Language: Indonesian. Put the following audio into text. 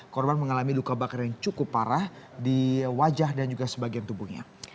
korban mengalami luka bakar yang cukup parah di wajah dan juga sebagian tubuhnya